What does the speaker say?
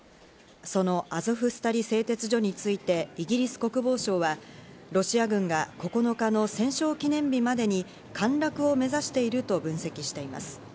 そのアゾフスタリ製鉄所についてイギリス国防省は、ロシア軍が９日の戦勝記念日までに、陥落を目指していると分析しています。